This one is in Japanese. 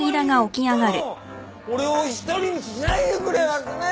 俺を一人にしないでくれアカネ！